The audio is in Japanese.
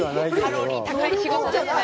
カロリー高い仕事ですね。